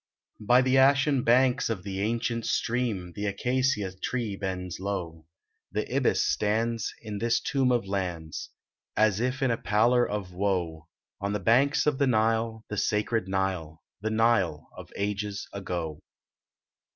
By the ashen banks of the ancient stream The acacia tree bends low, The ibis stands in this tomb of lands, As if in a pallor of woe, On the banks of the Nile, the sacred Nile, The Nile of ages ago.